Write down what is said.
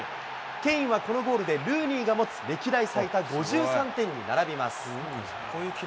ケインはこのゴールで、ルーニーが持つ歴代最多５３点に並びます。